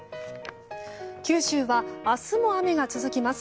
九州は明日も雨が続きます。